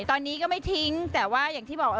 ตอนนี้ก็ไม่ทิ้งแต่ว่าอย่างที่บอกว่า